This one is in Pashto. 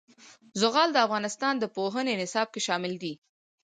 زغال د افغانستان د پوهنې نصاب کې شامل دي.